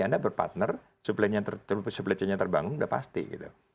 anda berpartner supply chainnya terbangun sudah pasti gitu